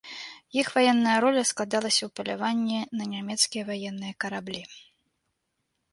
Іх ваенная роля складалася ў паляванні на нямецкія ваенныя караблі.